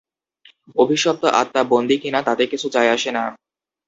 অভিশপ্ত আত্মা বন্দী কিনা তাতে কিছু যায় আসে না।